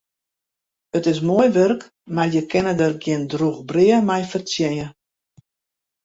It is moai wurk, mar je kinne der gjin drûch brea mei fertsjinje.